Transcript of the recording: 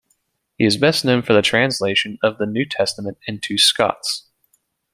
He is best known for the translation of the New Testament into Scots.